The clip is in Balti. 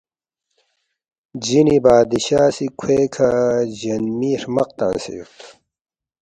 جِنی بادشاہ سی کھوے کھہ جِنی ہرمق تنگسے یود